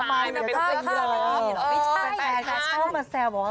ไม่ใช่ค่ะไม่ใช่ค่ะแฟนเข้ามาแสวบอกว่า